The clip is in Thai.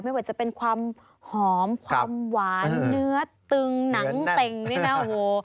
ไม่ว่าจะเป็นความหอมความหวานเนื้อตึงหนังเต็งนี่นะโอ้โห